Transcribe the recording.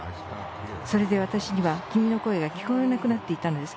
それで私には君の声が聞こえなくなっていたのです。